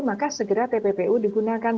maka segera tppu digunakan